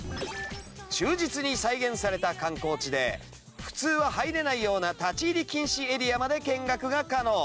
忠実に再現された観光地で普通は入れないような立ち入り禁止エリアまで見学が可能。